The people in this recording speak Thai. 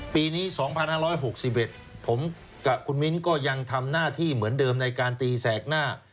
ปีนี้๒๕๖๑ผมกับคุณมิ้นก็ยังทำหน้าที่เหมือนเดิมในการตีแสกหน้า